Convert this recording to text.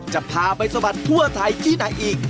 จะพาไปสะบัดทั่วไทยที่ไหนอีก